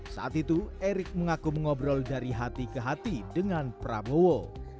saat itu erick mengaku mengobrol dari hati ke hati dengan prabowo